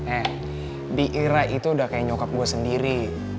eh biira itu udah kayak nyokap gue sendiri